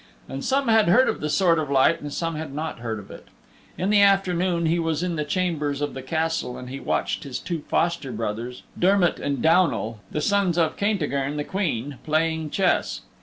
And some had heard of the Sword of Light and some had not heard of it. In the afternoon he was in the chambers of the Castle and he watched his two foster brothers, Dermott and Downal, the sons of Caintigern, the Queen, playing chess.